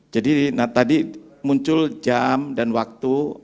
jadi tadi muncul jam dan waktu